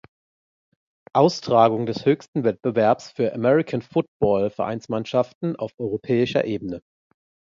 Austragung des höchsten Wettbewerbs für American-Football-Vereinsmannschaften auf europäischer Ebene.